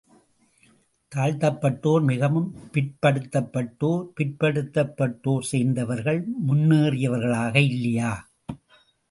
தாழ்த்தப்பட்டோர், மிகவும் பிற்படுத்தப்பட்டோர், பிற்படுத்தப்பட்டோர் சேர்ந்தவர்கள் முன்னேறியவர்களாக இல்லையா?